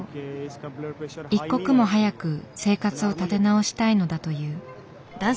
一刻も早く生活を立て直したいのだという。